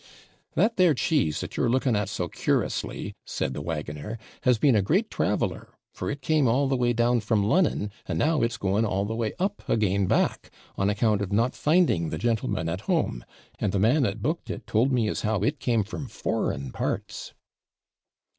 'That there cheese, that you're looking at so cur'ously,' said the waggoner, has been a great traveller; for it came all the way down from Lon'on, and now it's going all the way up again back, on account of not finding the gentleman at home; and the man that booked it told me as how it came from foreign parts.'